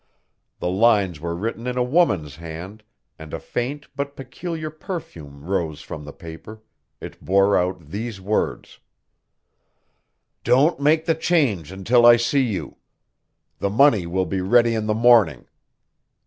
The lines were written in a woman's hand, and a faint but peculiar perfume rose from the paper, it bore but these words: "Don't make the change until I see you. The money will be ready in the morning.